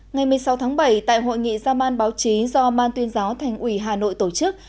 ngày một mươi sáu tháng bảy tại hội nghị gia man báo chí do ban tuyên giáo thành ủy hà nội tổ chức